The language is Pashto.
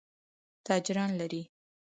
تاجران لري.